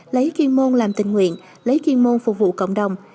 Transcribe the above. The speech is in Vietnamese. lấy chuyên môn làm tình nguyện lấy chuyên môn phục vụ cộng đồng